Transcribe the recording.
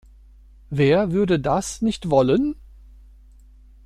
Wer würde das nicht wollen?